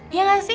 iya gak sih